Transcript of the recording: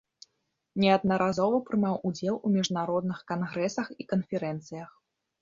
Неаднаразова прымаў удзел у міжнародных кангрэсах і канферэнцыях.